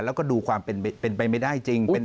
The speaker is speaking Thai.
แล้วก็ดูความเป็นไปไม่ได้จริง